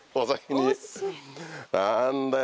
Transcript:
何だよ